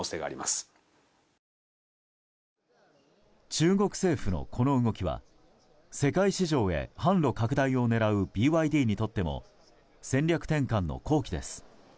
中国政府のこの動きは世界市場へ販路拡大を狙うＢＹＤにとっても戦略転換の好機です。